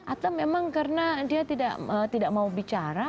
atau memang karena dia tidak mau bicara